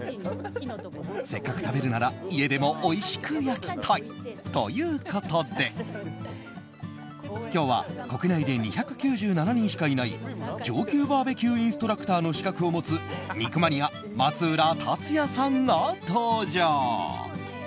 せっかく食べるなら家でもおいしく焼きたい。ということで、今日は国内で２９７人しかいない上級バーベキューインストラクターの資格を持つ肉マニア、松浦達也さんが登場。